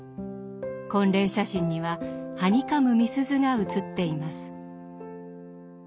婚礼写真にははにかむみすゞが写っています。